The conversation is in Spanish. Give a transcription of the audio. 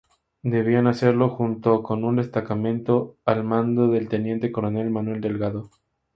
Debían hacerlo junto con un destacamento al mando del teniente coronel Manuel Delgado.